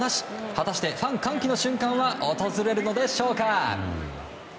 果たしてファン歓喜の瞬間は訪れるのでしょうか。